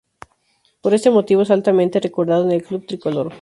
Por este motivo es altamente recordado en el club tricolor.